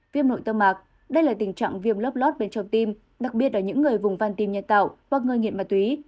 viêm nội tơ mạc đây là tình trạng viêm lót lót bên trong tim đặc biệt ở những người vùng van tim nhân tạo hoặc người nghiện ma túy